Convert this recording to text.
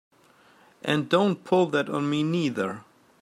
And don't pull that on me neither!